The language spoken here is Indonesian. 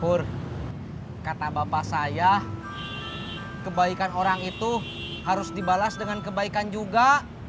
bur kata bapak saya kebaikan orang itu harus dibalas dengan kebaikan juga